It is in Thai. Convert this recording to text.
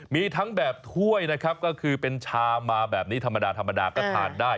มีทั้งแบบถ้วยก็คือเป็นชามมาแบบนี้ธรรมดาก็ทานได้